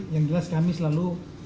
yang jelas kami selalu